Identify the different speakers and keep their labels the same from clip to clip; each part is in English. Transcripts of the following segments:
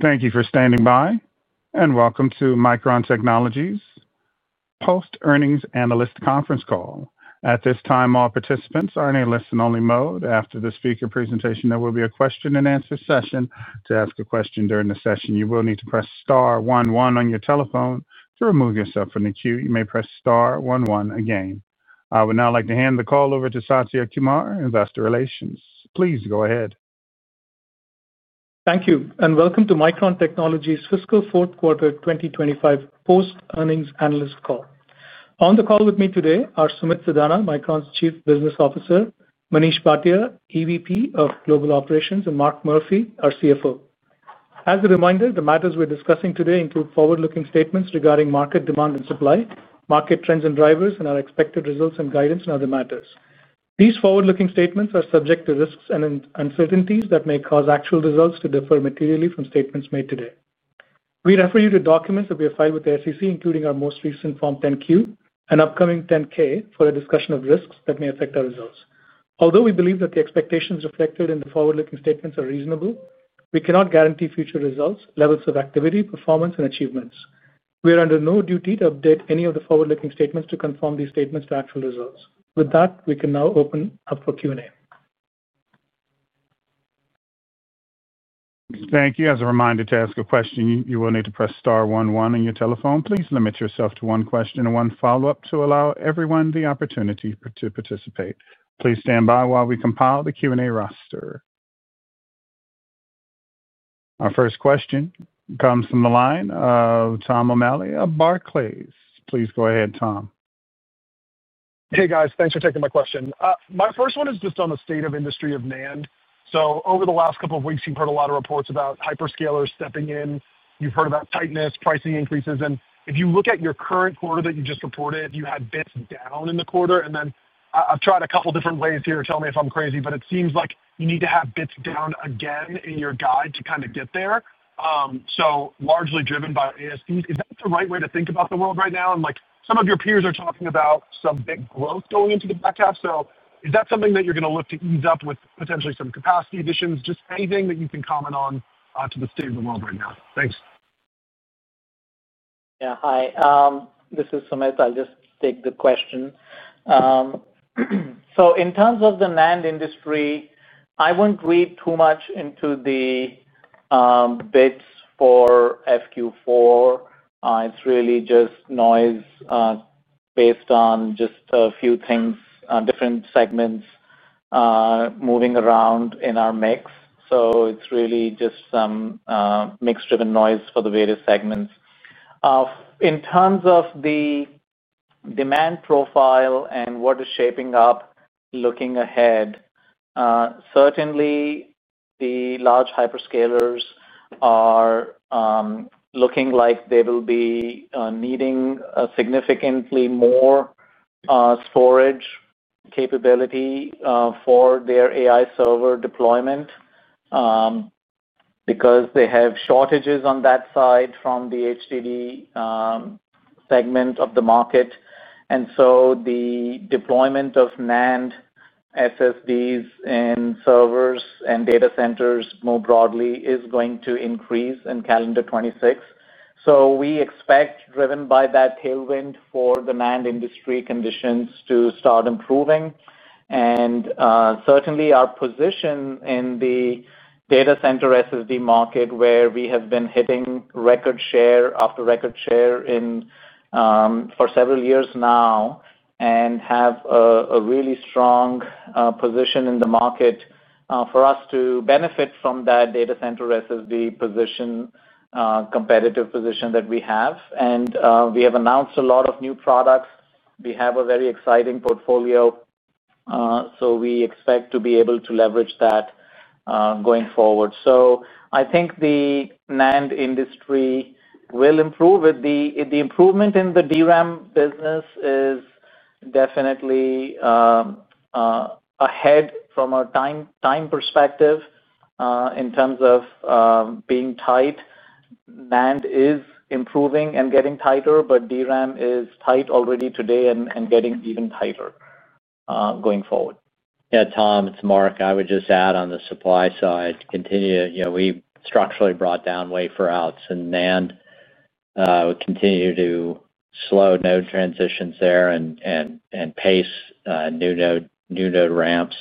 Speaker 1: Thank you for standing by and welcome to Micron Technology's Post-Earnings Analyst Conference Call. At this time, all participants are in a listen-only mode. After the speaker presentation, there will be a question-and-answer session. To ask a question during the session, you will need to press star one one on your telephone. To remove yourself from the queue, you may press star one one again. I would now like to hand the call over to Satya Kumar, Investor Relations. Please go ahead.
Speaker 2: Thank you, and welcome to Micron Technology's Fiscal Fourth Quarter 2025 Post-Earnings Analyst Call. On the call with me today are Sumit Sadana, Micron's Chief Business Officer, Manish Bhatia, EVP of Global Operations, and Mark Murphy, our CFO. As a reminder, the matters we're discussing today include forward-looking statements regarding market demand and supply, market trends and drivers, and our expected results and guidance in other matters. These forward-looking statements are subject to risks and uncertainties that may cause actual results to differ materially from statements made today. We refer you to documents that we have filed with the SEC, including our most recent Form 10-Q and upcoming 10-K for a discussion of risks that may affect our results. Although we believe that the expectations reflected in the forward-looking statements are reasonable, we cannot guarantee future results, levels of activity, performance, and achievements. We are under no duty to update any of the forward-looking statements to confirm these statements to actual results. With that, we can now open up for Q&A.
Speaker 1: Thank you. As a reminder, to ask a question, you will need to press star one one on your telephone. Please limit yourself to one question and one follow-up to allow everyone the opportunity to participate. Please stand by while we compile the Q&A roster. Our first question comes from the line of Tom O'Malley of Barclays. Please go ahead, Tom.
Speaker 3: Hey, guys. Thanks for taking my question. My first one is just on the state of industry of NAND. Over the last couple of weeks, you've heard a lot of reports about hyperscalers stepping in. You've heard about tightness, pricing increases. If you look at your current quarter that you just reported, you had bits down in the quarter. I've tried a couple of different ways here to tell me if I'm crazy, but it seems like you need to have bits down again in your guide to kind of get there, largely driven by ASPs. Is that the right way to think about the world right now? Some of your peers are talking about some big growth going into the back half. Is that something that you're going to look to ease up with potentially some capacity additions? Anything that you can comment on to the state of the world right now? Thanks.
Speaker 4: Yeah, hi. This is Sumit. I'll just take the question. In terms of the NAND industry, I wouldn't read too much into the bits for FQ4. It's really just noise based on a few things, different segments moving around in our mix. It's really just some mix-driven noise for the various segments. In terms of the demand profile and what is shaping up looking ahead, certainly, the large hyperscalers are looking like they will be needing significantly more storage capability for their AI server deployments because they have shortages on that side from the HDD segment of the market. The deployment of NAND SSDs in servers and data centers more broadly is going to increase in calendar 2026. We expect, driven by that tailwind, for the NAND industry conditions to start improving. Certainly, our position in the data center SSD market, where we have been hitting record share after record share for several years now and have a really strong position in the market, allows us to benefit from that data center SSD competitive position that we have. We have announced a lot of new products. We have a very exciting portfolio. We expect to be able to leverage that going forward. I think the NAND industry will improve, with the improvement in the DRAM business definitely ahead from a time perspective. In terms of being tight, NAND is improving and getting tighter, but DRAM is tight already today and getting even tighter going forward.
Speaker 5: Yeah, Tom, it's Mark. I would just add on the supply side, continue, you know, we structurally brought down wafer outs in NAND, continue to slow node transitions there and pace new node ramps.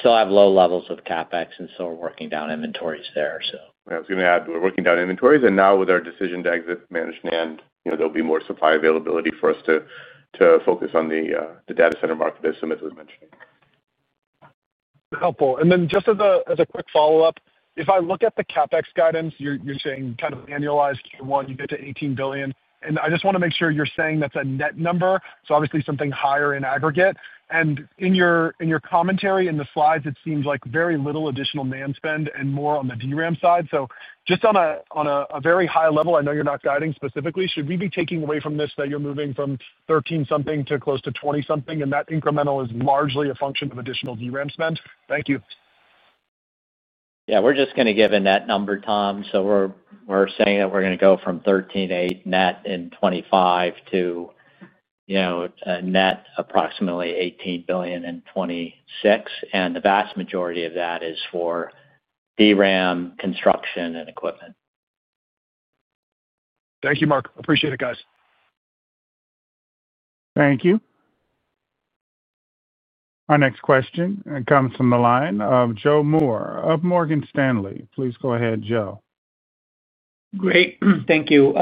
Speaker 5: Still have low levels of CapEx and still working down inventories there.
Speaker 6: Yeah, I was going to add, we're working down inventories, and now with our decision to exit managed NAND, you know, there'll be more supply availability for us to focus on the data center market as Sumit was mentioning.
Speaker 3: Helpful. Just as a quick follow-up, if I look at the CapEx guidance, you're saying kind of an annualized Q1, you get to $18 billion. I just want to make sure you're saying that's a net number. Obviously, something higher in aggregate. In your commentary in the slides, it seems like very little additional NAND spend and more on the DRAM side. Just on a very high level, I know you're not guiding specifically. Should we be taking away from this that you're moving from $13-something to close to $20-something and that incremental is largely a function of additional DRAM spend? Thank you.
Speaker 5: We're just going to give in that number, Tom. We're saying that we're going to go from $13.8 billion net in 2025 to, you know, net approximately $18 billion in 2026. The vast majority of that is for DRAM construction and equipment.
Speaker 3: Thank you, Mark. Appreciate it, guys.
Speaker 1: Thank you. Our next question comes from the line of Joe Moore of Morgan Stanley. Please go ahead, Joe.
Speaker 7: Great, thank you.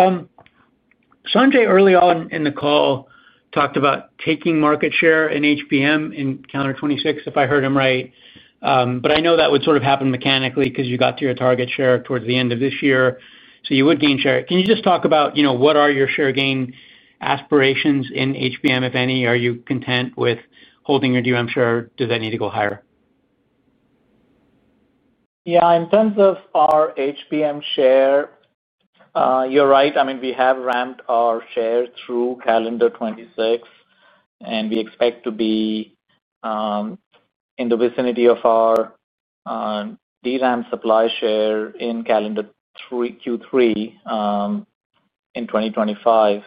Speaker 7: Sanjay, early on in the call, talked about taking market share in HBM in calendar 2026, if I heard him right. I know that would sort of happen mechanically because you got to your target share towards the end of this year. You would gain share. Can you just talk about, you know, what are your share gain aspirations in HBM, if any? Are you content with holding your DRAM share? Does that need to go higher?
Speaker 8: Yeah, in terms of our HBM share, you're right. We have ramped our share through calendar 2026, and we expect to be in the vicinity of our DRAM supply share in calendar Q3 in 2025.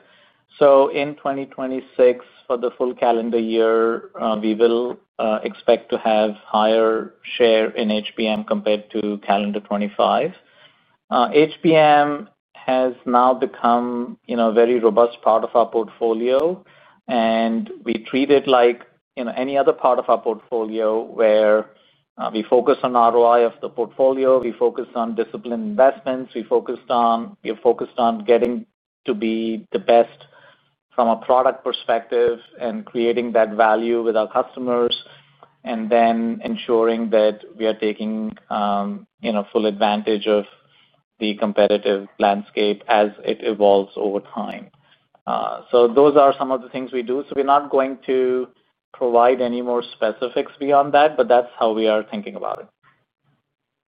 Speaker 8: In 2026, for the full calendar year, we will expect to have higher share in HBM compared to calendar 2025. HBM has now become a very robust part of our portfolio, and we treat it like any other part of our portfolio where we focus on ROI of the portfolio, we focus on disciplined investments, we focus on getting to be the best from a product perspective and creating that value with our customers, and then ensuring that we are taking full advantage of the competitive landscape as it evolves over time. Those are some of the things we do. We're not going to provide any more specifics beyond that, but that's how we are thinking about it.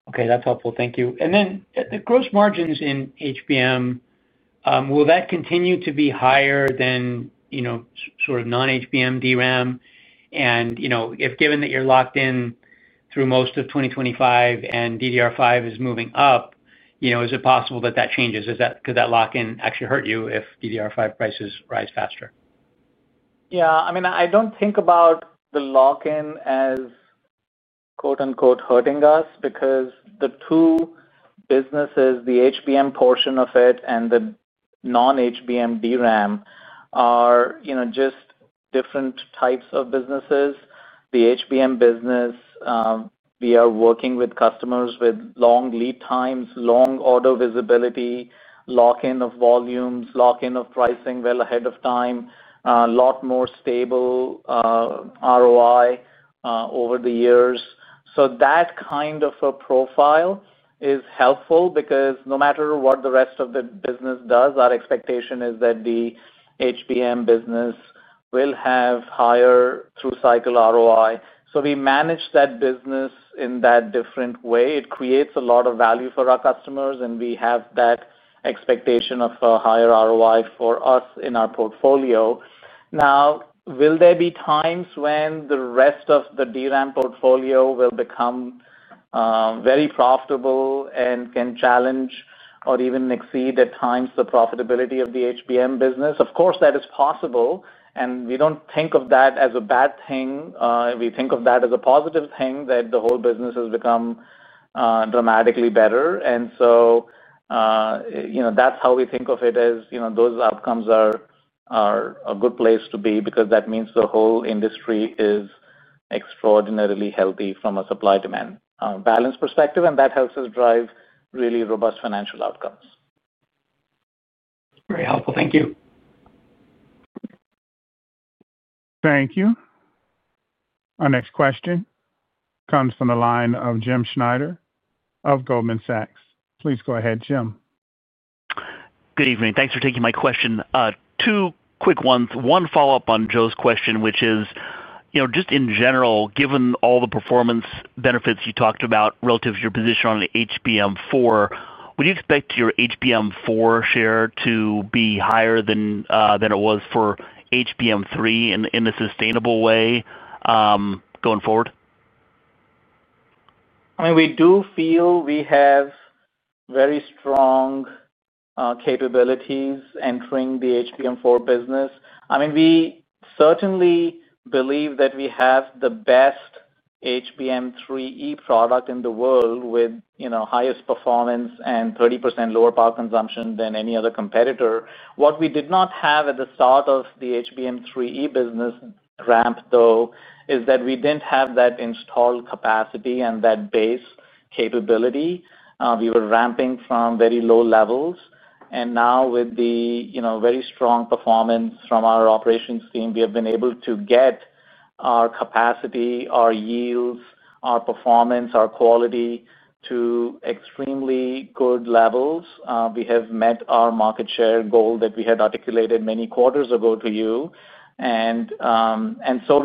Speaker 7: Okay, that's helpful. Thank you. The gross margins in HBM, will that continue to be higher than, you know, sort of non-HBM DRAM? If given that you're locked in through most of 2025 and DDR5 is moving up, is it possible that that changes? Does that lock-in actually hurt you if DDR5 prices rise faster?
Speaker 4: Yeah, I mean, I don't think about the lock-in as "hurting us" because the two businesses, the HBM portion of it and the non-HBM DRAM, are just different types of businesses. The HBM business, we are working with customers with long lead times, long order visibility, lock-in of volumes, lock-in of pricing well ahead of time, a lot more stable ROI over the years. That kind of a profile is helpful because no matter what the rest of the business does, our expectation is that the HBM business will have higher through-cycle ROI. We manage that business in that different way. It creates a lot of value for our customers, and we have that expectation of a higher ROI for us in our portfolio. Now, will there be times when the rest of the DRAM portfolio will become very profitable and can challenge or even exceed at times the profitability of the HBM business? Of course, that is possible. We don't think of that as a bad thing. We think of that as a positive thing that the whole business has become dramatically better. That's how we think of it as, you know, those outcomes are a good place to be because that means the whole industry is extraordinarily healthy from a supply-demand balance perspective, and that helps us drive really robust financial outcomes.
Speaker 7: Very helpful. Thank you.
Speaker 1: Thank you. Our next question comes from the line of Jim Schneider of Goldman Sachs. Please go ahead, Jim.
Speaker 9: Good evening. Thanks for taking my question. Two quick ones. One follow-up on Joe's question, which is, you know, just in general, given all the performance benefits you talked about relative to your position on an HBM4, would you expect your HBM4 share to be higher than it was for HBM3 in a sustainable way going forward?
Speaker 4: I mean, we do feel we have very strong capabilities entering the HBM4 business. We certainly believe that we have the best HBM3E product in the world with highest performance and 30% lower power consumption than any other competitor. What we did not have at the start of the HBM3E business ramp, though, is that we didn't have that installed capacity and that base capability. We were ramping from very low levels. Now, with the very strong performance from our operations team, we have been able to get our capacity, our yields, our performance, our quality to extremely good levels. We have met our market share goal that we had articulated many quarters ago to you. We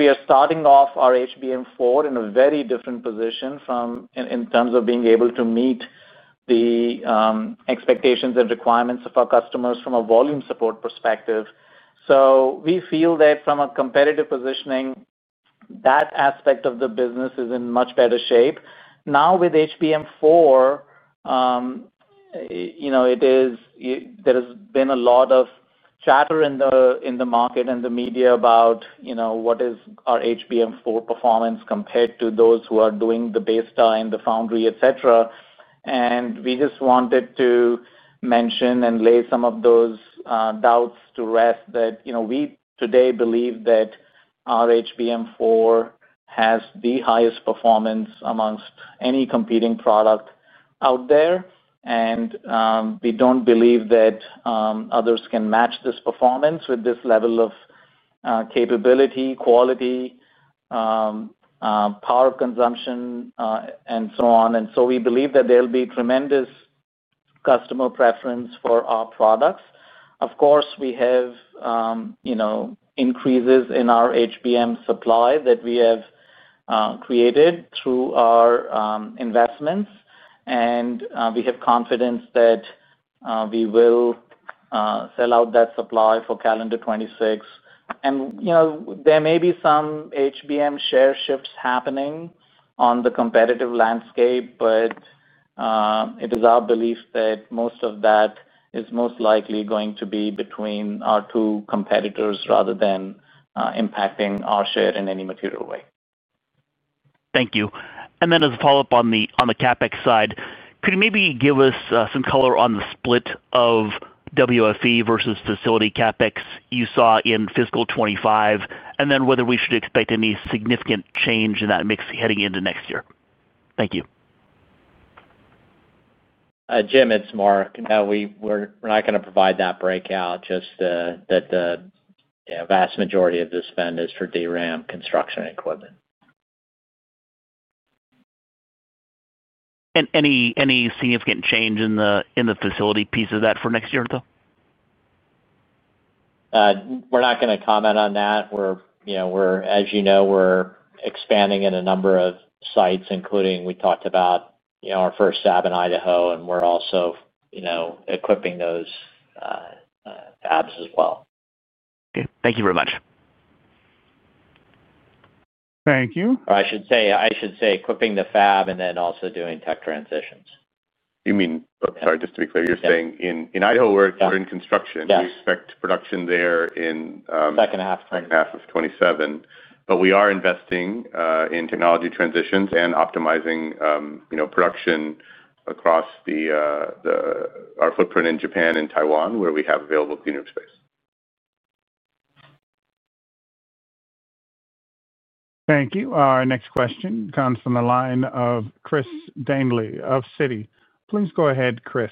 Speaker 4: are starting off our HBM4 in a very different position in terms of being able to meet the expectations and requirements of our customers from a volume support perspective. We feel that from a competitive positioning, that aspect of the business is in much better shape. Now, with HBM4, there has been a lot of chatter in the market and the media about what is our HBM4 performance compared to those who are doing the baseline, the foundry, etc. We just wanted to mention and lay some of those doubts to rest that we today believe that our HBM4 has the highest performance amongst any competing product out there. We don't believe that others can match this performance with this level of capability, quality, power consumption, and so on. We believe that there'll be tremendous customer preference for our products. Of course, we have increases in our HBM supply that we have created through our investments. We have confidence that we will sell out that supply for calendar 2026. There may be some HBM share shifts happening on the competitive landscape, but it is our belief that most of that is most likely going to be between our two competitors rather than impacting our share in any material way.
Speaker 9: Thank you. As a follow-up on the CapEx side, could you maybe give us some color on the split of WFE versus facility CapEx you saw in fiscal 2025, and whether we should expect any significant change in that mix heading into next year? Thank you.
Speaker 5: Jim, it's Mark. We're not going to provide that breakout, just that the vast majority of this spend is for DRAM construction and equipment.
Speaker 9: there any significant change in the facility piece of that for next year or two?
Speaker 5: We're not going to comment on that. As you know, we're expanding in a number of sites, including, we talked about our first fab in Idaho, and we're also equipping those fabs as well.
Speaker 9: Okay, thank you very much.
Speaker 1: Thank you.
Speaker 5: I should say equipping the fab and then also doing tech transitions.
Speaker 6: You mean, sorry, just to be clear, you're saying in Idaho, we're in construction. We expect production there.
Speaker 5: Second half of 2027.
Speaker 6: Second half of 2027. We are investing in technology transitions and optimizing, you know, production across our footprint in Japan and Taiwan, where we have available clean-up space.
Speaker 1: Thank you. Our next question comes from the line of Chris Danely of Citi. Please go ahead, Chris.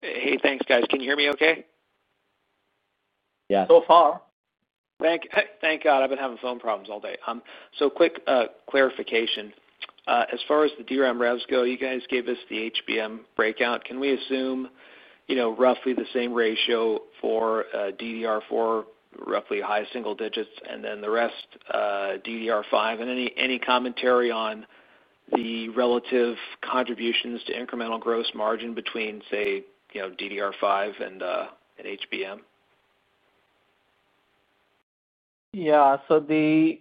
Speaker 10: Hey, thanks, guys. Can you hear me okay?
Speaker 5: Yeah.
Speaker 4: So far.
Speaker 10: I've been having phone problems all day. Quick clarification. As far as the DRAM revs go, you guys gave us the HBM breakout. Can we assume, you know, roughly the same ratio for DDR4, roughly high single digits, and then the rest DDR5? Any commentary on the relative contributions to incremental gross margin between, say, you know, DDR5 and HBM?
Speaker 4: Yeah. We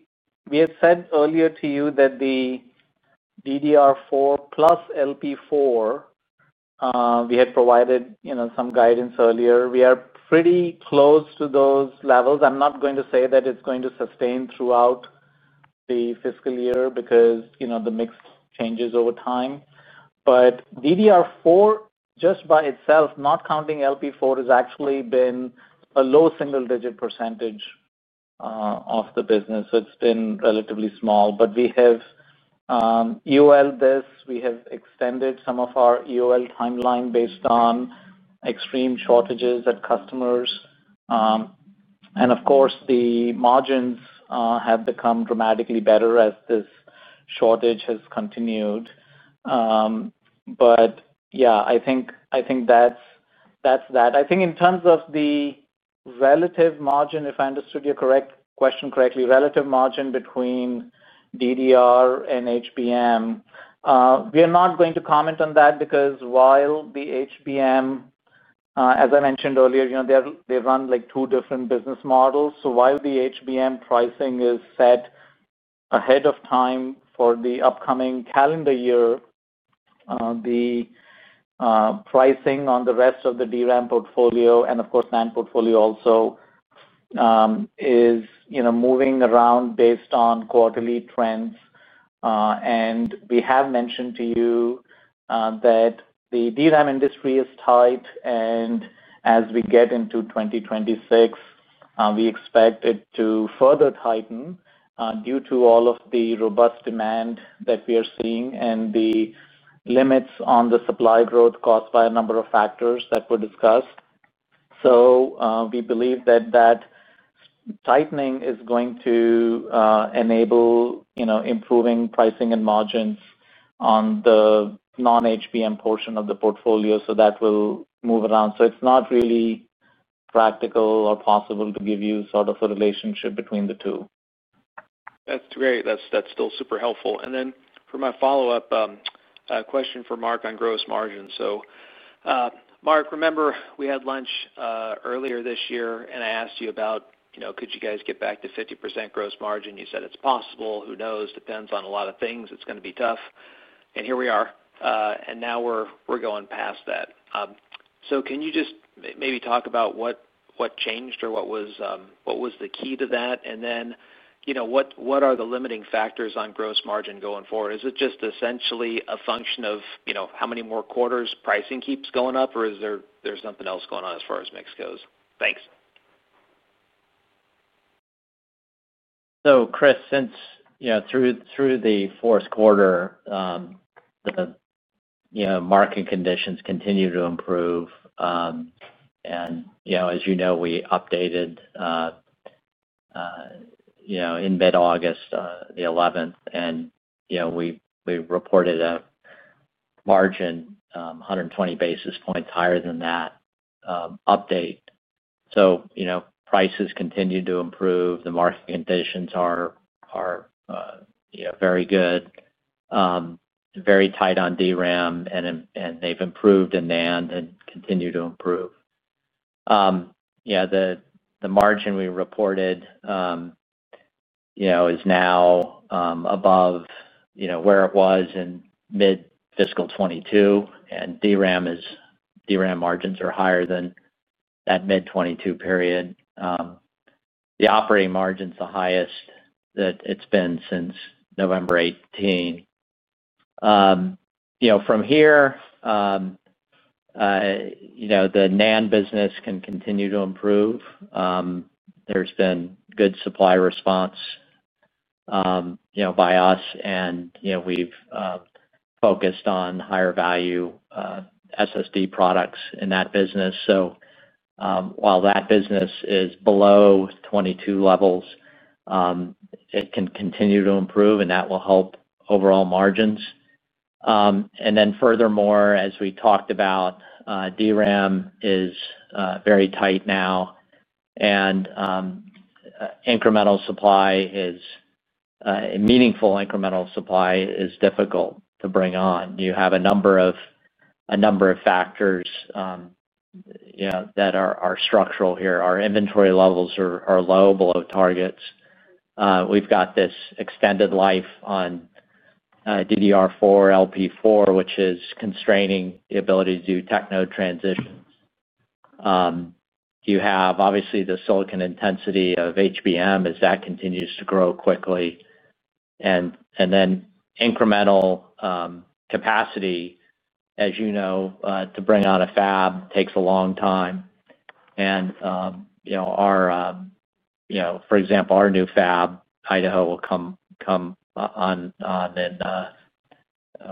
Speaker 4: had said earlier to you that the DDR4 plus LP4, we had provided, you know, some guidance earlier. We are pretty close to those levels. I'm not going to say that it's going to sustain throughout the fiscal year because, you know, the mix changes over time. DDR4, just by itself, not counting LP4, has actually been a low single-digit percentage of the business. It's been relatively small. We have EOL'd this. We have extended some of our EOL timeline based on extreme shortages at customers. Of course, the margins have become dramatically better as this shortage has continued. I think that's that. I think in terms of the relative margin, if I understood your question correctly, relative margin between DDR and HBM, we are not going to comment on that because while the HBM, as I mentioned earlier, you know, they run like two different business models. While the HBM pricing is set ahead of time for the upcoming calendar year, the pricing on the rest of the DRAM portfolio and, of course, NAND portfolio also is, you know, moving around based on quarterly trends. We have mentioned to you that the DRAM industry is tight. As we get into 2026, we expect it to further tighten due to all of the robust demand that we are seeing and the limits on the supply growth caused by a number of factors that were discussed. We believe that tightening is going to enable, you know, improving pricing and margins on the non-HBM portion of the portfolio. That will move around. It's not really practical or possible to give you sort of a relationship between the two.
Speaker 10: That's great. That's still super helpful. For my follow-up question for Mark on gross margins. Mark, remember we had lunch earlier this year and I asked you about, you know, could you guys get back to 50% gross margin? You said it's possible. Who knows? Depends on a lot of things. It's going to be tough. Here we are, and now we're going past that. Can you just maybe talk about what changed or what was the key to that? What are the limiting factors on gross margin going forward? Is it just essentially a function of, you know, how many more quarters pricing keeps going up or is there something else going on as far as mix goes? Thanks.
Speaker 5: Chris, since through the fourth quarter, the market conditions continue to improve. As you know, we updated in mid-August the 11th, and we reported a margin 120 basis points higher than that update. Prices continue to improve. The market conditions are very good, very tight on DRAM, and they've improved in NAND and continue to improve. The margin we reported is now above where it was in mid-fiscal 2022, and DRAM margins are higher than that mid-2022 period. The operating margin's the highest that it's been since November 2018. From here, the NAND business can continue to improve. There's been good supply response by us, and we've focused on higher-value SSD products in that business. While that business is below 2022 levels, it can continue to improve, and that will help overall margins. Furthermore, as we talked about, DRAM is very tight now, and incremental supply is meaningful. Incremental supply is difficult to bring on. You have a number of factors that are structural here. Our inventory levels are low below targets. We've got this extended life on DDR4 LP4, which is constraining the ability to do techno transitions. You have obviously the silicon intensity of HBM as that continues to grow quickly. Incremental capacity, as you know, to bring on a fab takes a long time. For example, our new fab, Idaho, will come on in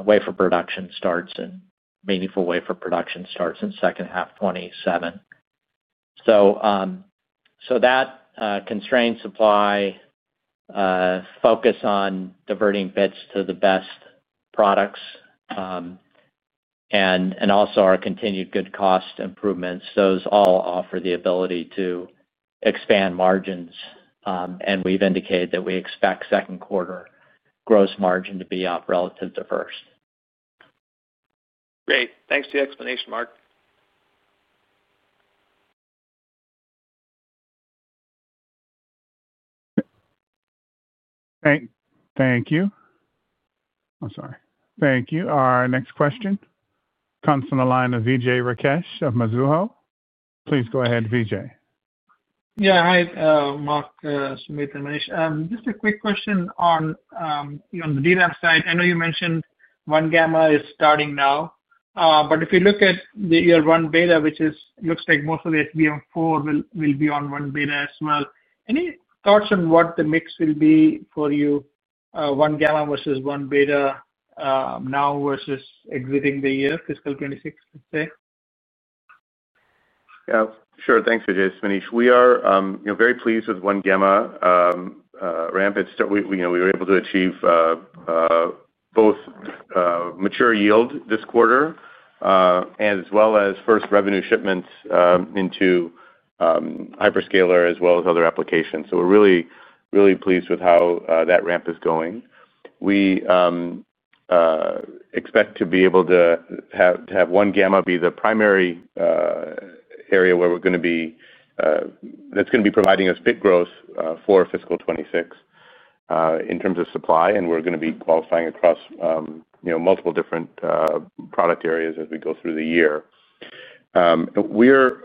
Speaker 5: wafer production starts in meaningful wafer production starts in second half 2027. That constrained supply focus on diverting bits to the best products and also our continued good cost improvements, those all offer the ability to expand margins. We've indicated that we expect second quarter gross margin to be up relative to first.
Speaker 10: Great. Thanks for your explanation, Mark.
Speaker 1: Thank you. Thank you. Our next question comes from the line of Vijay Rakesh of Mizuho. Please go ahead, Vijay.
Speaker 11: Yeah, hi, Mark, Sumit and Manish. Just a quick question on the DRAM side. I know you mentioned one-gamma is starting now. If you look at the year, one-beta, which looks like most of the HBM4 will be on one-beta as well, any thoughts on what the mix will be for you, one-gamma versus one-beta now versus exiting the year, fiscal 2026, let's say?
Speaker 6: Yeah, sure. Thanks, Vijay. Manish, we are very pleased with one-gamma ramp. We were able to achieve both mature yield this quarter as well as first revenue shipments into hyperscaler as well as other applications. We are really, really pleased with how that ramp is going. We expect to be able to have one-gamma be the primary area that's going to be providing us bit growth for fiscal 2026 in terms of supply. We are going to be qualifying across multiple different product areas as we go through the year. We are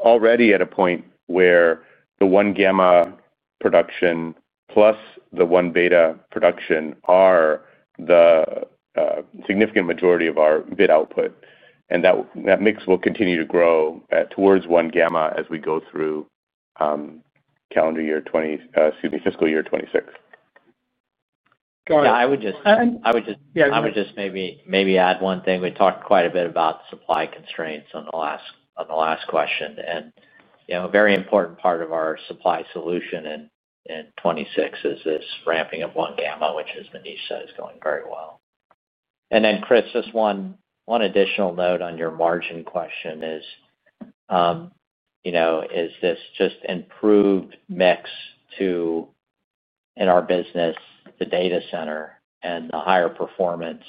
Speaker 6: already at a point where the one-gamma production plus the one-beta production are the significant majority of our bit output, and that mix will continue to grow towards one-gamma as we go through fiscal year 2026.
Speaker 5: Yeah, I would just maybe add one thing. We talked quite a bit about supply constraints on the last question. A very important part of our supply solution in 2026 is this ramping of one-gamma DRAM, which, as Manish said, is going very well. Chris, just one additional note on your margin question is, you know, is this just improved mix to, in our business, the data center and the higher performance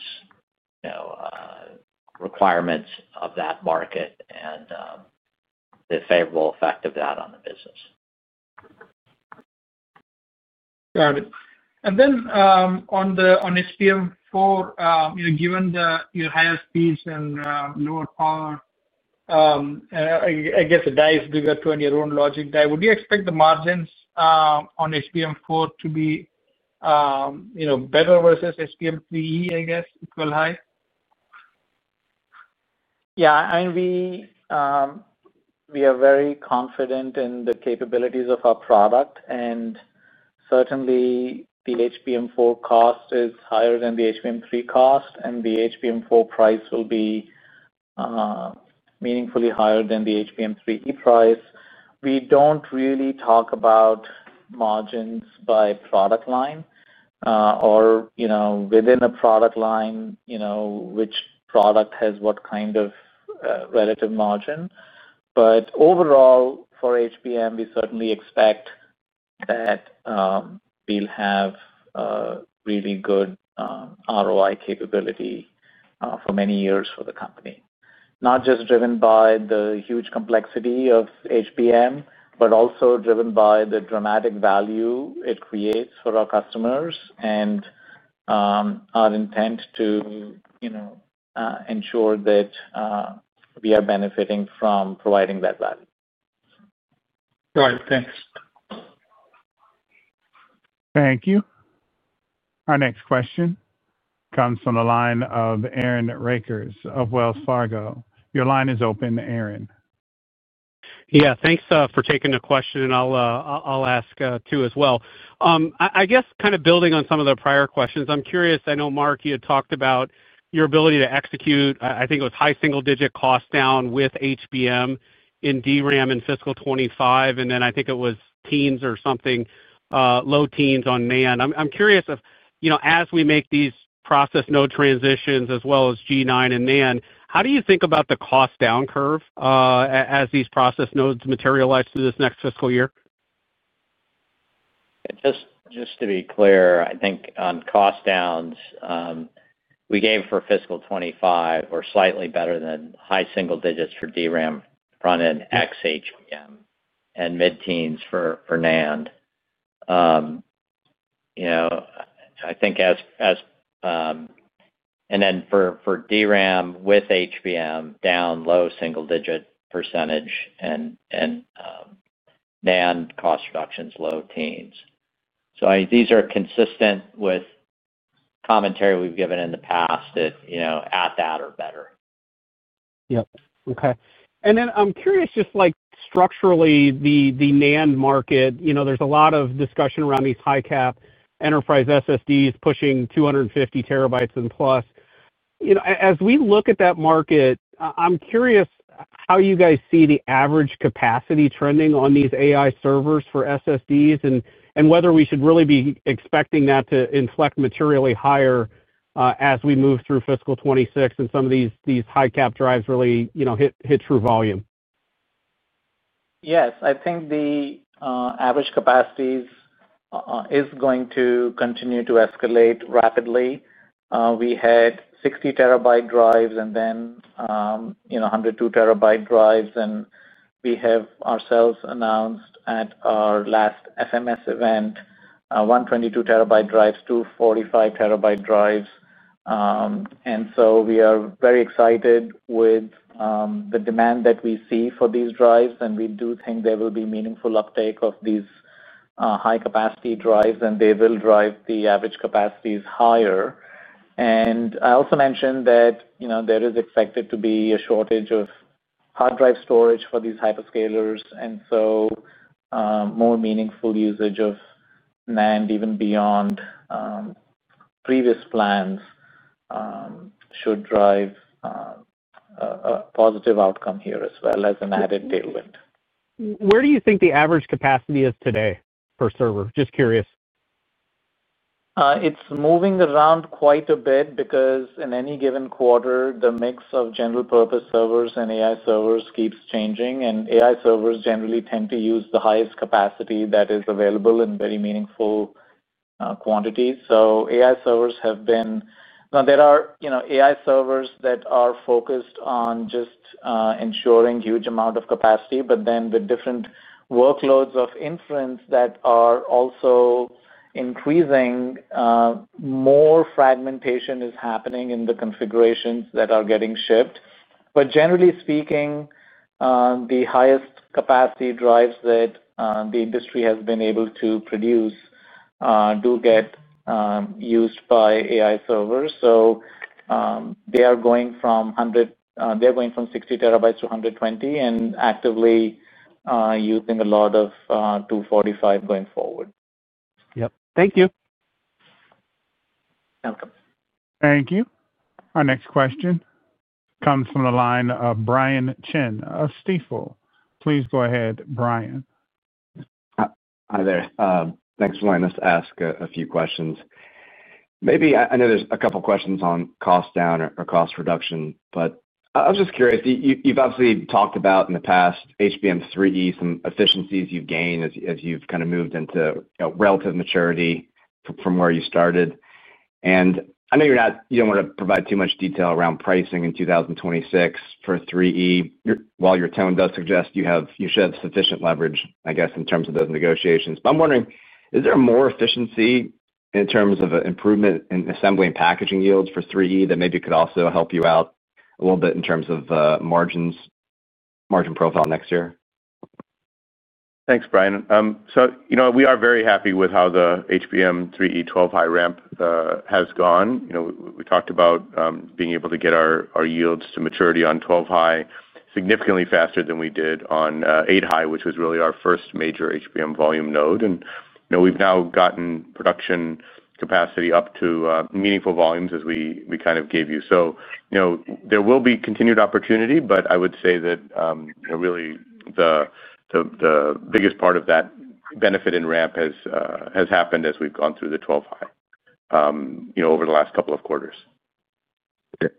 Speaker 5: requirements of that market and the favorable effect of that on the business?
Speaker 11: Got it. On the HBM4, given your higher speeds and lower power, I guess the die's bigger too, in your own logic die. Would you expect the margins on HBM4 to be better versus HBM3E, I guess, equal high?
Speaker 4: Yeah, I mean, we are very confident in the capabilities of our product. Certainly, the HBM4 cost is higher than the HBM3 cost, and the HBM4 price will be meaningfully higher than the HBM3E price. We don't really talk about margins by product line or, you know, within a product line, you know, which product has what kind of relative margin. Overall, for HBM, we certainly expect that we'll have really good ROI capability for many years for the company, not just driven by the huge complexity of HBM, but also driven by the dramatic value it creates for our customers and our intent to, you know, ensure that we are benefiting from providing that value.
Speaker 11: Got it. Thanks.
Speaker 1: Thank you. Our next question comes from the line of Aaron Rakers of Wells Fargo. Your line is open, Aaron.
Speaker 12: Yeah, thanks for taking the question. I'll ask two as well. I guess kind of building on some of the prior questions, I'm curious, I know, Mark, you had talked about your ability to execute, I think it was high single-digit cost down with HBM in DRAM in fiscal 2025, and then I think it was teens or something, low teens on NAND. I'm curious if, you know, as we make these process node transitions as well as G9 NAND, how do you think about the cost down curve as these process nodes materialize through this next fiscal year?
Speaker 5: Just to be clear, I think on cost downs, we gave for fiscal 2025 are slightly better than high single digits for DRAM front-end ex-HBM and mid-teens for NAND. I think as, and then for DRAM with HBM, down low single-digit percentage and NAND cost reductions, low teens. These are consistent with commentary we've given in the past that, you know, at that or better.
Speaker 12: Okay. I'm curious, just structurally, the NAND market, you know, there's a lot of discussion around these high-cap enterprise SSDs pushing 250 terabytes and plus. As we look at that market, I'm curious how you guys see the average capacity trending on these AI servers for SSDs and whether we should really be expecting that to inflect materially higher as we move through fiscal 2026 and some of these high-cap drives really, you know, hit true volume.
Speaker 4: Yes, I think the average capacities are going to continue to escalate rapidly. We had 60 TBdrives and then, you know, 102 TB drives. We have ourselves announced at our last SMS event 122 TB drives, 245 TB drives. We are very excited with the demand that we see for these drives. We do think there will be meaningful uptake of these high-capacity drives, and they will drive the average capacities higher. I also mentioned that, you know, there is expected to be a shortage of hard drive storage for these hyperscalers. More meaningful usage of NAND even beyond previous plans should drive a positive outcome here as well as an added tailwind.
Speaker 12: Where do you think the average capacity is today per server? Just curious.
Speaker 4: It's moving around quite a bit because in any given quarter, the mix of general-purpose servers and AI servers keeps changing. AI servers generally tend to use the highest capacity that is available in very meaningful quantities. AI servers are focused on just ensuring a huge amount of capacity. With different workloads of inference that are also increasing, more fragmentation is happening in the configurations that are getting shipped. Generally speaking, the highest capacity drives that the industry has been able to produce do get used by AI servers. They are going from 100 TB, they're going from 60 TB-120 TB and actively using a lot of 245 TB going forward.
Speaker 12: Thank you.
Speaker 4: Welcome.
Speaker 1: Thank you. Our next question comes from the line of Brian Chin of Stifel. Please go ahead, Brian.
Speaker 13: Hi there. Thanks for letting us ask a few questions. Maybe I know there's a couple of questions on cost down or cost reduction, but I was just curious. You've obviously talked about in the past HBM3E, some efficiencies you've gained as you've kind of moved into relative maturity from where you started. I know you don't want to provide too much detail around pricing in 2026 for HBM3E. While your tone does suggest you should have sufficient leverage, I guess, in terms of those negotiations. I'm wondering, is there more efficiency in terms of an improvement in assembly and packaging yields for HBM3E that maybe could also help you out a little bit in terms of margin profile next year? Thanks, Brian. We are very happy with how the HBM3E 12-high ramp has gone. We talked about being able to get our yields to maturity on 12-high significantly faster than we did on 8-high, which was really our first major HBM volume node. We've now gotten production capacity up to meaningful volumes as we kind of gave you. There will be continued opportunity, but I would say that really the biggest part of that benefit in ramp has happened as we've gone through the 12-high over the last couple of quarters.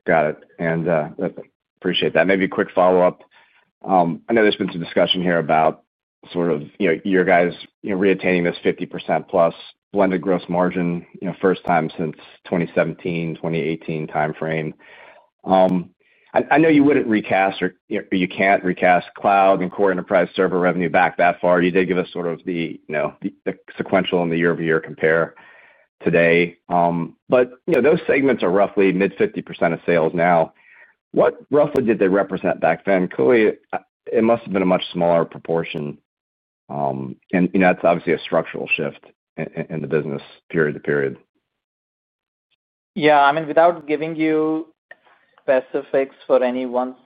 Speaker 13: Got it. I appreciate that. Maybe a quick follow-up. I know there's been some discussion here about your guys re-attaining this 50%+ blended gross margin, first time since the 2017, 2018 timeframe. I know you wouldn't recast or you can't recast cloud and core enterprise server revenue back that far. You did give us the sequential and the year-over-year compare today. Those segments are roughly mid-50% of sales now. What roughly did they represent back then? Clearly, it must have been a much smaller proportion. That's obviously a structural shift in the business period to period.
Speaker 4: Yeah, I mean, without giving you specifics for any one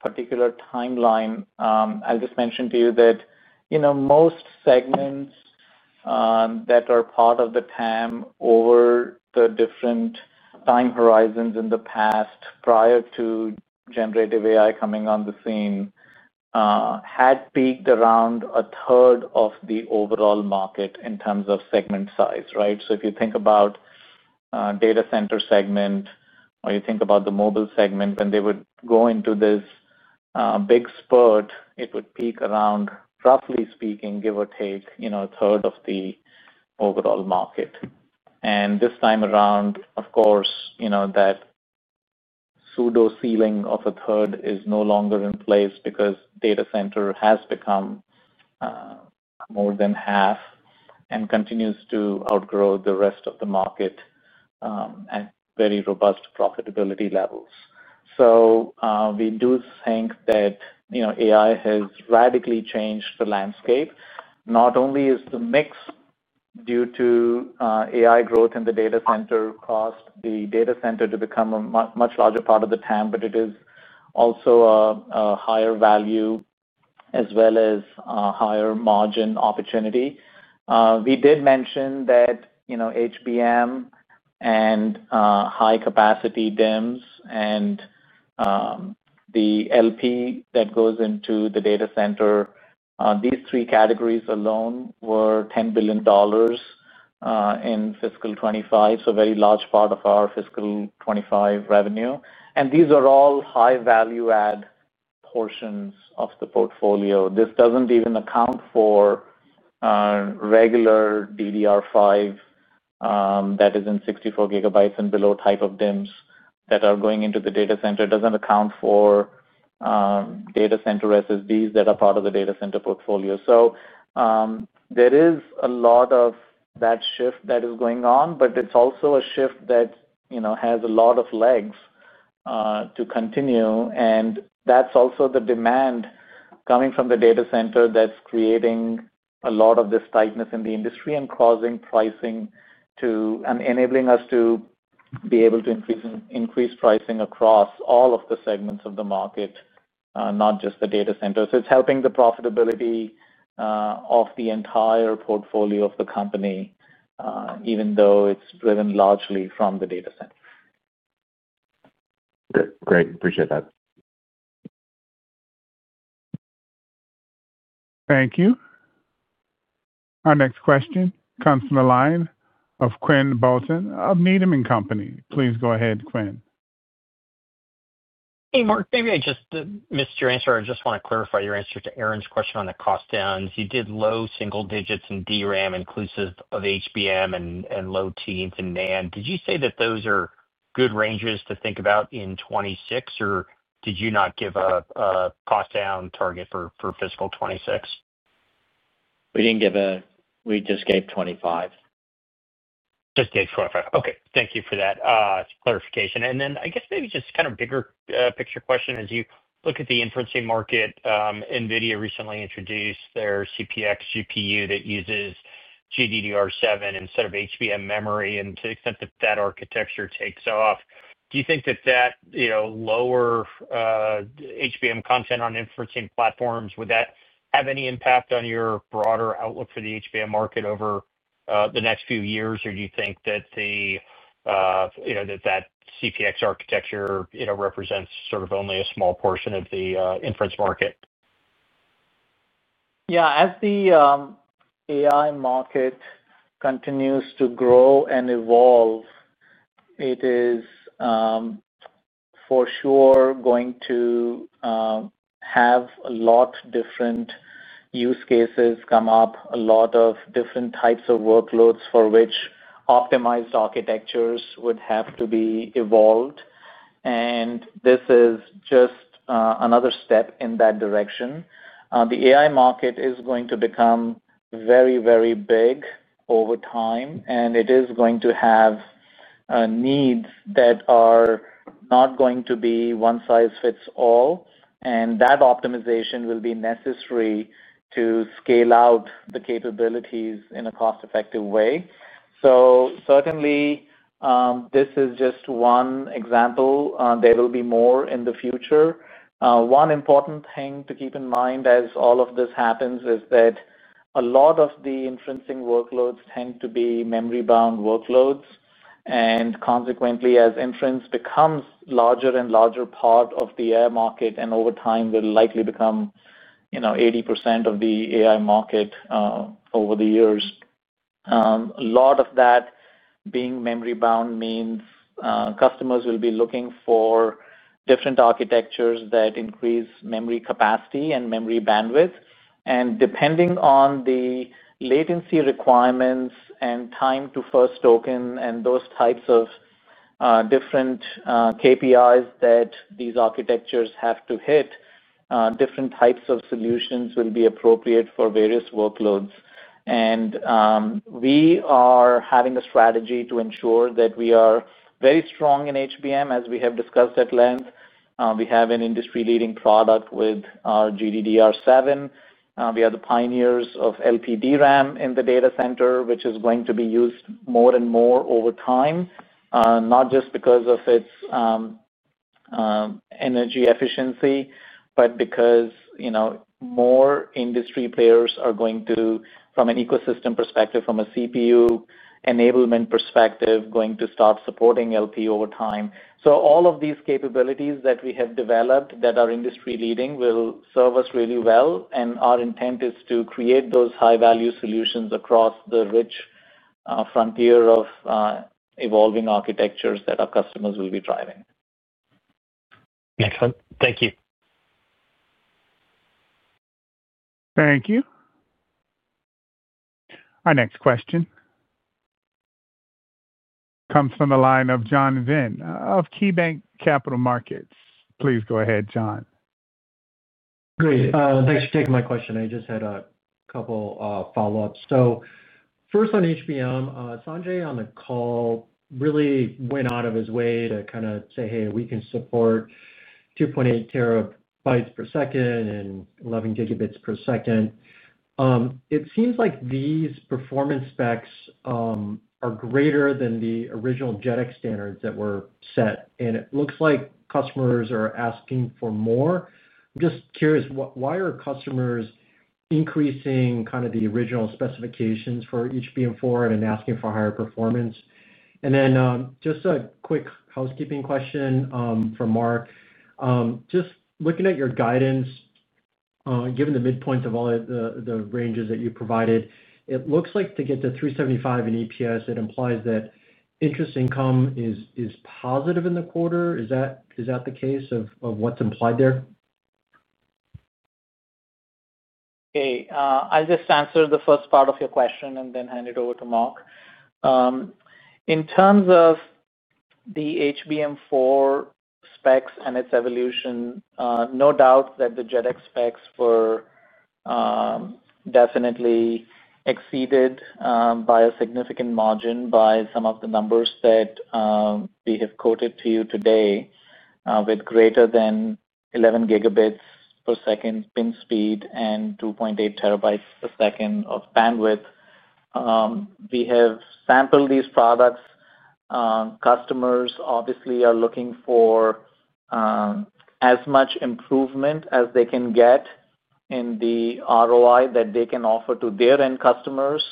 Speaker 4: particular timeline, I'll just mention to you that most segments that are part of the TAM over the different time horizons in the past prior to generative AI coming on the scene had peaked around a third of the overall market in terms of segment size, right? If you think about the data center segment or you think about the mobile segment, when they would go into this big spurt, it would peak around, roughly speaking, give or take, a third of the overall market. This time around, of course, that pseudo ceiling of a third is no longer in place because the data center has become more than half and continues to outgrow the rest of the market at very robust profitability levels. We do think that AI has radically changed the landscape. Not only is the mix due to AI growth in the data center caused the data center to become a much larger part of the TAM, but it is also a higher value as well as a higher margin opportunity. We did mention that HBM and high-capacity DIMMs and the LP that goes into the data center, these three categories alone were $10 billion in fiscal 2025, so a very large part of our fiscal 2025 revenue. These are all high-value-add portions of the portfolio. This doesn't even account for regular DDR5 that is in 64 GB and below type of DIMMs that are going into the data center. It doesn't account for data center SSDs that are part of the data center portfolio. There is a lot of that shift that is going on, but it's also a shift that has a lot of legs to continue. That's also the demand coming from the data center that's creating a lot of this tightness in the industry and causing pricing to and enabling us to be able to increase pricing across all of the segments of the market, not just the data center. It's helping the profitability of the entire portfolio of the company, even though it's driven largely from the data center.
Speaker 13: Great. Appreciate that.
Speaker 1: Thank you. Our next question comes from the line of Quinn Bolton of Needham & Company. Please go ahead, Quinn.
Speaker 14: Hey, Mark. Maybe I just missed your answer. I just want to clarify your answer to Aaron's question on the cost downs. You did low single digits in DRAM, inclusive of HBM, and low teens in NAND. Did you say that those are good ranges to think about in 2026, or did you not give a cost down target for fiscal 2026?
Speaker 5: We just gave 2025.
Speaker 14: Okay. Thank you for that clarification. I guess maybe just kind of a bigger picture question. As you look at the inferencing market, NVIDIA recently introduced their CPX GPU that uses GDDR7 instead of HBM memory. To the extent that that architecture takes off, do you think that that lower HBM content on inferencing platforms would have any impact on your broader outlook for the HBM market over the next few years, or do you think that the CPX architecture represents sort of only a small portion of the inference market?
Speaker 4: Yeah, as the AI market continues to grow and evolve, it is for sure going to have a lot of different use cases come up, a lot of different types of workloads for which optimized architectures would have to be evolved. This is just another step in that direction. The AI market is going to become very, very big over time, and it is going to have needs that are not going to be one size fits all. That optimization will be necessary to scale out the capabilities in a cost-effective way. Certainly, this is just one example. There will be more in the future. One important thing to keep in mind as all of this happens is that a lot of the inference workloads tend to be memory-bound workloads. Consequently, as inference becomes a larger and larger part of the AI market and over time will likely become, you know, 80% of the AI market over the years, a lot of that being memory-bound means customers will be looking for different architectures that increase memory capacity and memory bandwidth. Depending on the latency requirements and time-to-first token and those types of different KPIs that these architectures have to hit, different types of solutions will be appropriate for various workloads. We are having a strategy to ensure that we are very strong in HBM, as we have discussed at length. We have an industry-leading product with our GDDR7. We are the pioneers of LPDRAM in the data center, which is going to be used more and more over time, not just because of its energy efficiency, but because, you know, more industry players are going to, from an ecosystem perspective, from a CPU enablement perspective, going to start supporting LP over time. All of these capabilities that we have developed that are industry-leading will serve us really well. Our intent is to create those high-value solutions across the rich frontier of evolving architectures that our customers will be driving.
Speaker 14: Excellent. Thank you.
Speaker 1: Thank you. Our next question comes from the line of John Vinh of KeyBanc Capital Markets. Please go ahead, John.
Speaker 15: Great. Thanks for taking my question. I just had a couple of follow-ups. First on HBM, Sanjay on the call really went out of his way to kind of say, "Hey, we can support 2.8 TB per second and 11Gb per second." It seems like these performance specs are greater than the original JEDEC standards that were set. It looks like customers are asking for more. I'm just curious, why are customers increasing kind of the original specifications for HBM4 and asking for higher performance? Just a quick housekeeping question from Mark. Just looking at your guidance, given the midpoint of all the ranges that you provided, it looks like to get to $3.75 in EPS, it implies that interest income is positive in the quarter. Is that the case of what's implied there?
Speaker 4: I'll just answer the first part of your question and then hand it over to Mark. In terms of the HBM4 specs and its evolution, no doubt that the JEDEC specs were definitely exceeded by a significant margin by some of the numbers that we have quoted to you today, with greater than 11 gigabits per second pin speed and 2.8 TB per second of bandwidth. We have sampled these products. Customers, obviously, are looking for as much improvement as they can get in the ROI that they can offer to their end customers.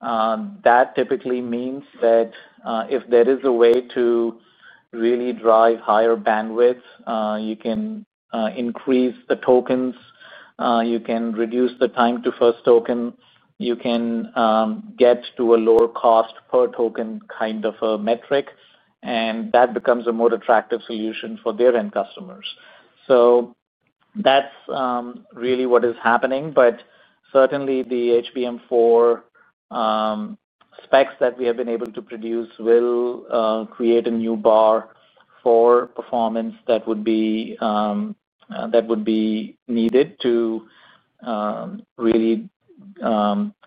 Speaker 4: That typically means that if there is a way to really drive higher bandwidth, you can increase the tokens, you can reduce the time-to-first token, you can get to a lower cost per token kind of a metric, and that becomes a more attractive solution for their end customers. That's really what is happening. Certainly, the HBM4 specs that we have been able to produce will create a new bar for performance that would be needed to really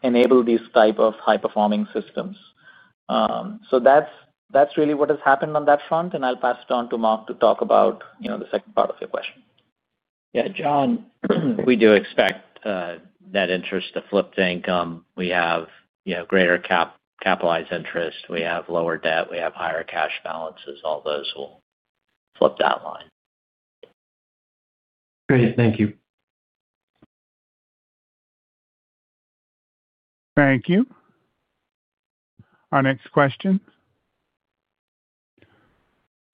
Speaker 4: enable these types of high-performing systems. That's really what has happened on that front. I'll pass it on to Mark to talk about the second part of your question.
Speaker 5: Yeah, John, we do expect that interest to flip to income. We have greater capitalized interest, lower debt, and higher cash balances. All those will flip that line.
Speaker 15: Great. Thank you.
Speaker 1: Thank you. Our next question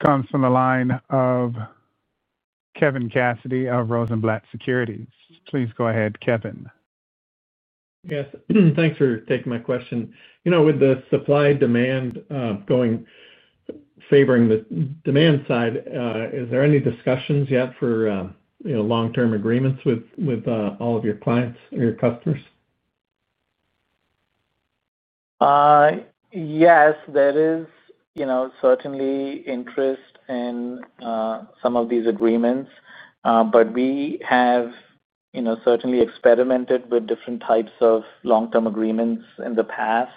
Speaker 1: comes from the line of Kevin Cassidy of Rosenblatt Securities. Please go ahead, Kevin.
Speaker 16: Yes, thanks for taking my question. You know, with the supply-demand going favoring the demand side, is there any discussions yet for, you know, long-term agreements with all of your clients or your customers?
Speaker 4: Yes, there is certainly interest in some of these agreements. We have certainly experimented with different types of long-term agreements in the past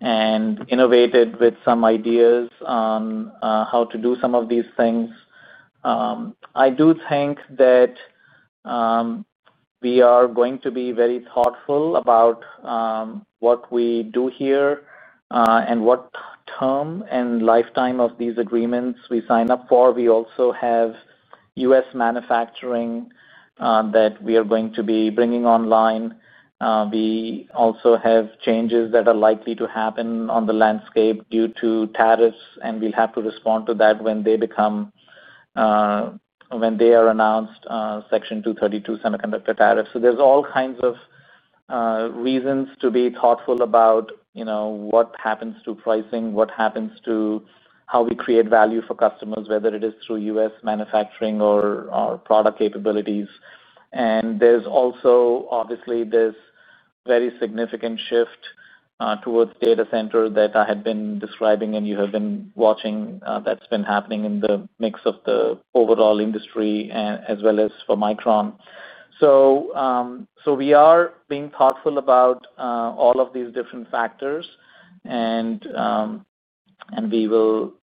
Speaker 4: and innovated with some ideas on how to do some of these things. I do think that we are going to be very thoughtful about what we do here and what term and lifetime of these agreements we sign up for. We also have U.S. manufacturing that we are going to be bringing online. We also have changes that are likely to happen on the landscape due to tariffs, and we'll have to respond to that when they are announced, Section 232 Semiconductor Tariffs. There are all kinds of reasons to be thoughtful about what happens to pricing, what happens to how we create value for customers, whether it is through U.S. manufacturing or product capabilities. There is also, obviously, this very significant shift towards data center that I had been describing, and you have been watching that's been happening in the mix of the overall industry as well as for Micron. We are being thoughtful about all of these different factors, and we will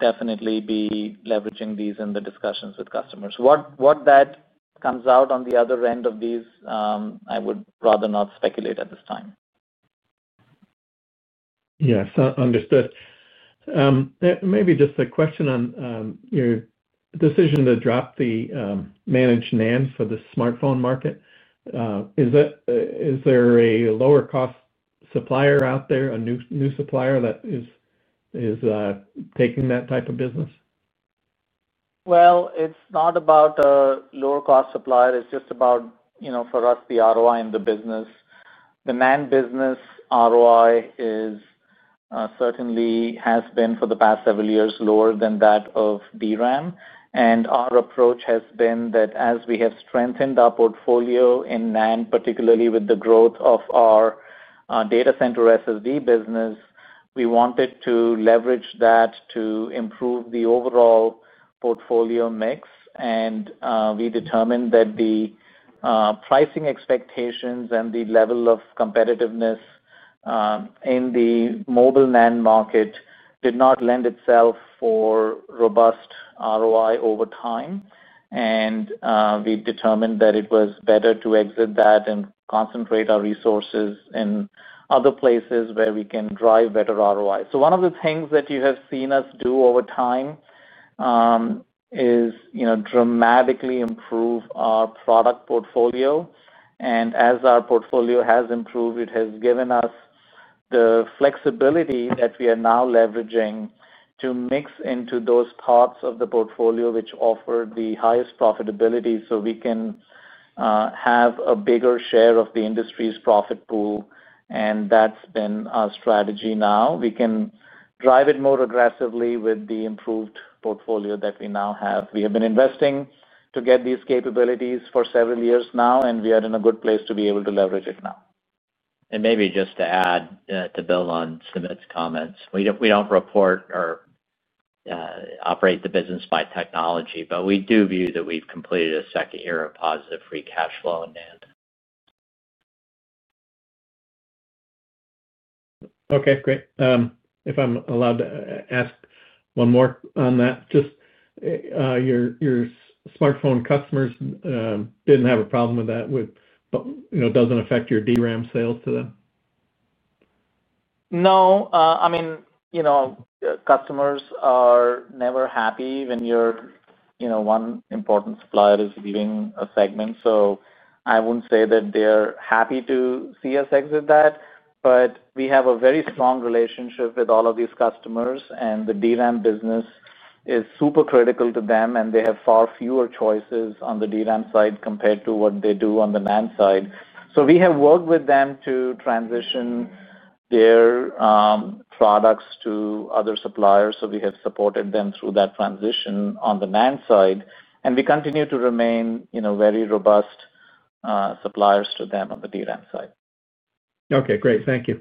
Speaker 4: definitely be leveraging these in the discussions with customers. What that comes out on the other end of these, I would rather not speculate at this time.
Speaker 16: Yes, understood. Maybe just a question on your decision to drop the managed NAND for the smartphone market. Is there a lower-cost supplier out there, a new supplier that is taking that type of business?
Speaker 4: It is not about a lower-cost supplier. It is just about, you know, for us, the ROI in the business. The NAND business ROI certainly has been for the past several years lower than that of DRAM. Our approach has been that as we have strengthened our portfolio in NAND, particularly with the growth of our data center SSD business, we wanted to leverage that to improve the overall portfolio mix. We determined that the pricing expectations and the level of competitiveness in the mobile NAND market did not lend itself for robust ROI over time. We determined that it was better to exit that and concentrate our resources in other places where we can drive better ROI. One of the things that you have seen us do over time is, you know, dramatically improve our product portfolio. As our portfolio has improved, it has given us the flexibility that we are now leveraging to mix into those parts of the portfolio which offer the highest profitability so we can have a bigger share of the industry's profit pool. That has been our strategy now. We can drive it more aggressively with the improved portfolio that we now have. We have been investing to get these capabilities for several years now, and we are in a good place to be able to leverage it now.
Speaker 5: To add, to build on Sumit's comments, we don't report or operate the business by technology, but we do view that we've completed a second year of positive free cash flow in NAND.
Speaker 16: Okay, great. If I'm allowed to ask one more on that, just your smartphone customers didn't have a problem with that, but you know, doesn't affect your DRAM sales to them?
Speaker 4: No, I mean, customers are never happy when one important supplier is leaving a segment. I wouldn't say that they're happy to see us exit that, but we have a very strong relationship with all of these customers, and the DRAM business is super critical to them, and they have far fewer choices on the DRAM side compared to what they do on the NAND side. We have worked with them to transition their products to other suppliers. We have supported them through that transition on the NAND side, and we continue to remain very robust suppliers to them on the DRAM side.
Speaker 16: Okay, great. Thank you.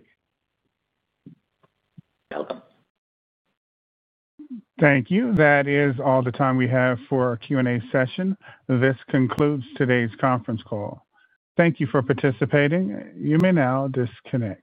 Speaker 4: Welcome.
Speaker 1: Thank you. That is all the time we have for our Q&A session. This concludes today's conference call. Thank you for participating. You may now disconnect.